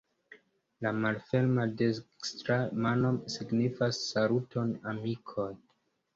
La malferma dekstra mano signifas "Saluton amikoj!